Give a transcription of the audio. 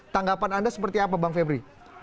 tanggapan anda seperti apa bang febri